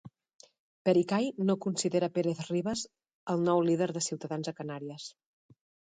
Pericay no considera Pérez-Ribas nou líder de Ciutadans a Canàries.